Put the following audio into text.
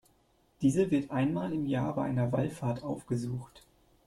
Diese wird einmal im Jahr bei einer Wallfahrt aufgesucht.